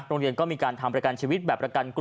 โป่งแร่ตำบลพฤศจิตภัณฑ์